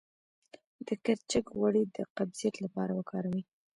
د کرچک غوړي د قبضیت لپاره وکاروئ